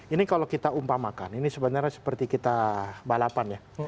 ini kalau kita umpamakan ini sebenarnya seperti kita balapan ya